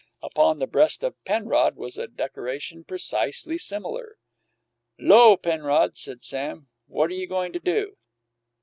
Upon the breast of Penrod was a decoration precisely similar. "'Lo, Penrod," said Sam. "What you goin' to do?"